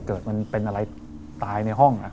เกิดมันเป็นอะไรตายในห้อง